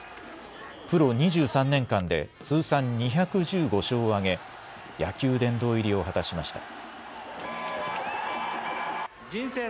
プロ２３年間で通算２１５勝を挙げ、野球殿堂入りを果たしました。